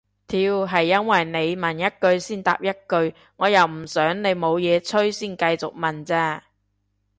屌係因為你問一句先答一句我又唔想你冇嘢吹先繼續問咋